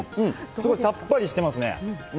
すごいさっぱりしてますね。